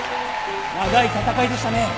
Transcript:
長い戦いでしたね。